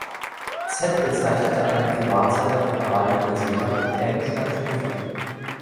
Z bezeichnete einen Privatsender von Radio Neuseeland und M stand für Musik.